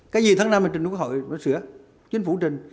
cái gì tháng năm mà trình quốc hội nó sửa chính phủ trình